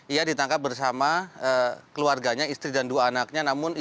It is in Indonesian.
ia ditangkap bersama keluarganya istri dan dua anaknya